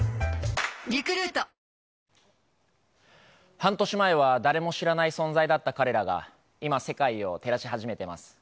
半年前は誰も知らない存在だった彼らが、今、世界を照らし始めています。